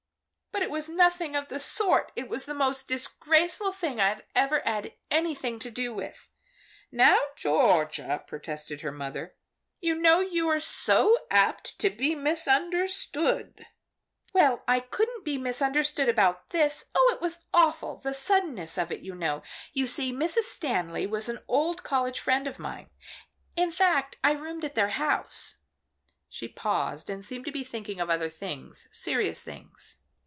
"But it was nothing of the sort! It was the most disgraceful thing I ever had anything to do with." "Now Georgia," protested her mother, "you know you are so apt to be misunderstood." "Well I couldn't be misunderstood about this! Oh, it was awful! the suddenness of it, you know. You see Miss Stanley was an old college friend of mine. In fact, I roomed at their house," she paused and seemed to be thinking of other things serious things.